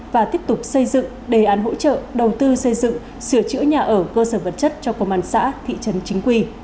và tiếp tục xây dựng đề án hỗ trợ đầu tư xây dựng sửa chữa nhà ở cơ sở vật chất cho công an xã thị trấn chính quy